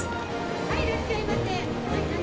はいいらっしゃいませ！